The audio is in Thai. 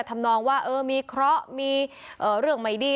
ทำนองว่ามีเคราะห์มีเรื่องใหม่ดี